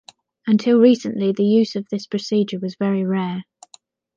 Until recently, the use of this procedure was very rare.